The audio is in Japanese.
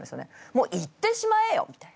もう行ってしまえよみたいな。